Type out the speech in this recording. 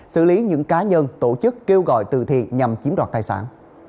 xử lý những cá nhân tổ chức kêu gọi từ thiện nhằm chiếm đoạt tài sản